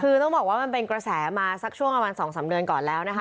คือต้องบอกว่ามันเป็นกระแสมาสักช่วงประมาณ๒๓เดือนก่อนแล้วนะคะ